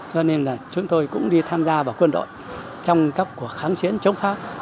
cho nên là chúng tôi cũng đi tham gia vào quân đội trong các cuộc kháng chiến chống pháp